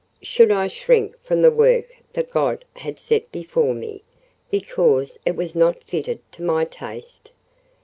Should I shrink from the work that God had set before me, because it was not fitted to my taste?